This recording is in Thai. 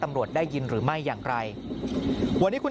มันมีปืนมันมีปืน